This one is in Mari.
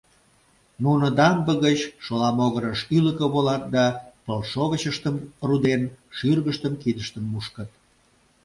Нуно дамбе гыч шола могырыш ӱлыкӧ волат да, пылшовычыштым руден, шӱргыштым, кидыштым мушкыт.